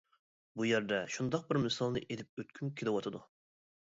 بۇ يەردە شۇنداق بىر مىسالنى ئېلىپ ئۆتكۈم كېلىۋاتىدۇ.